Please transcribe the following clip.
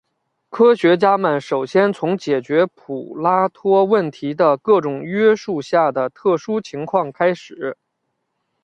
数学家们首先从解决普拉托问题的各种约束下的特殊情况开始。